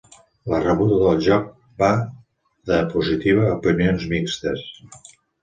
La rebuda del joc va de positiva a opinions mixtes.